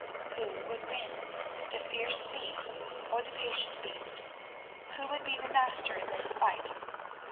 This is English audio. Who would win? The fierce beast or the patient beast? Who would be the master in this fight?